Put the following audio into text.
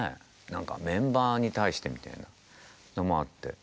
何かメンバーに対してみたいなのもあって。